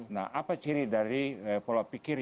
nah apa ciri dari pola pikir